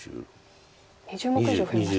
２０目以上増えましたか。